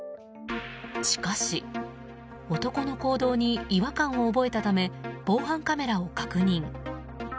しかし、男の行動に違和感を覚えたため防犯カメラを確認。